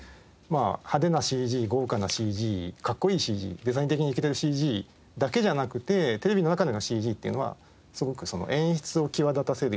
派手なＣＧ豪華なＣＧかっこいいＣＧデザイン的にいけてるＣＧだけじゃなくてテレビの中でのＣＧっていうのはすごくその演出を際立たせるような